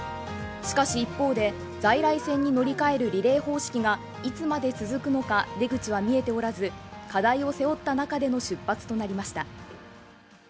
しかし、一方で在来線に乗り換えるリレー方式がいつまで続くのか出口は見えておらず課題を背負った中での出発となりました。